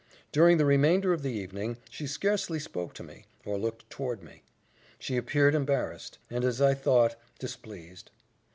During the remainder of the evening, she scarcely spoke to me, or looked toward me. She appeared embarrassed; and, as I thought, displeased.